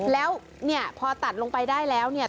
แล้วเนี่ยพอตัดลงไปได้แล้วเนี่ย